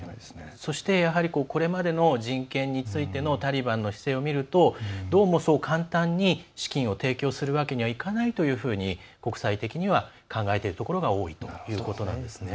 そして、これまでの人権についてのタリバンの姿勢を見るとどうもそう簡単に資金を提供するわけにはいかないというふうに国際的には考えているところが多いということなんですね。